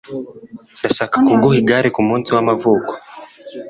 Ndashaka kuguha igare kumunsi wamavuko.